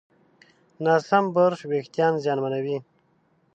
ناسم برش وېښتيان زیانمنوي.